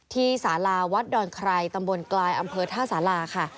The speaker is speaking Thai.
สาราวัดดอนใครตำบลกลายอำเภอท่าสาราค่ะ